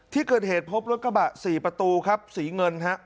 ที่เกิดเหตุพบรถกระบะ๔ประตูครับสีเงินฮะ